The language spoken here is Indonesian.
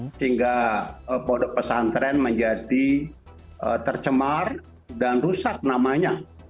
sehingga pondok pesantren menjadi tercemar dan rusak namanya